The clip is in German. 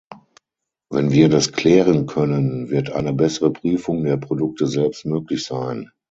Wenn wir das klären können, wird eine bessere Prüfung der Produkte selbst möglich sein.